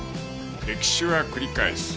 歴史は繰り返す